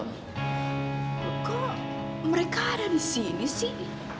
kok mereka ada di sini sih